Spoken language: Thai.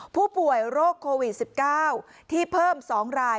ผู้ป่วยโรคโควิด๑๙ที่เพิ่ม๒ราย